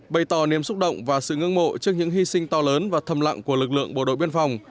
bày tỏ niềm xúc động và sự hương mộ trước những hy sinh to lớn và thầm lặng của lực lượng bộ đội biên phòng